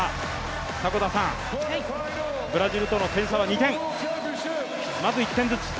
ブラジルとの点差は２点、まず１点ずつ。